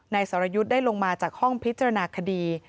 สรยุทธ์ได้ลงมาจากห้องพิจารณาคดี